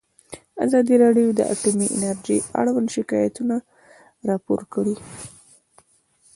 ازادي راډیو د اټومي انرژي اړوند شکایتونه راپور کړي.